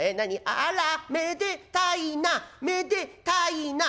『あらめでたいなめでたいな』」。